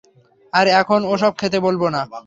এখন আর ওসব খেতে বলব না।